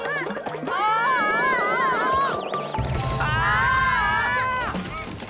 あ！あ！